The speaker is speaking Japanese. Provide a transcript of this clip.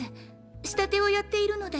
仕立てをやっているので。